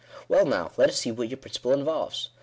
" Well now, let us see what your principle involves.